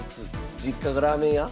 実家がラーメン屋？